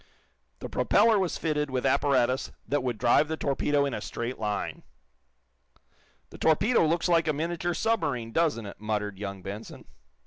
The propeller was fitted with apparatus that would drive the torpedo in a straight line. "The torpedo looks like a miniature submarine, doesn't it?" muttered young Benson.